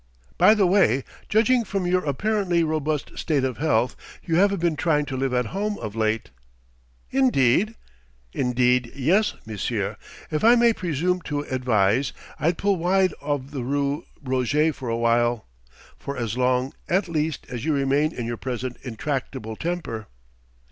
By the way judging from your apparently robust state of health, you haven't been trying to live at home of late." "Indeed?" "Indeed yes, monsieur! If I may presume to advise I'd pull wide of the rue Roget for a while for as long, at least, as you remain in your present intractable temper."